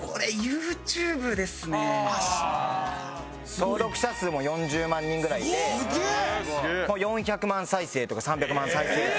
登録者数も４０万人ぐらいいて４００万再生とか３００万再生とか。